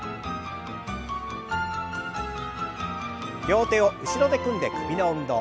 両手を後ろで組んで首の運動。